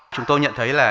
chúng tôi nhận thấy là